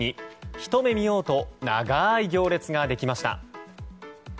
ひと目見ようと長い行列ができました。